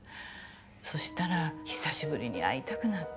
そしたら久しぶりに会いたくなって。